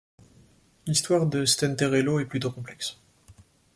L'histoire de Stenterello est plutôt complexe.